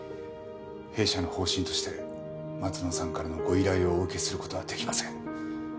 弊社の方針として松野さんからのご依頼をお受けする事はできません。